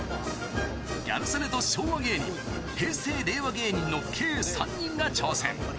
ギャル曽根と昭和芸人、平成・令和芸人の計３人が挑戦。